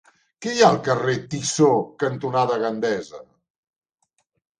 Què hi ha al carrer Tissó cantonada Gandesa?